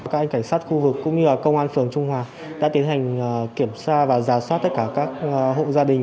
các anh cảnh sát khu vực cũng như là công an phường trung hoa đã tiến hành kiểm soát và giả soát tất cả các hộ gia đình